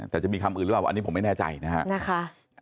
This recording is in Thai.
แต่จะมีคำอื่นหรือเปล่าอันนี้ผมไม่แน่ใจนะฮะ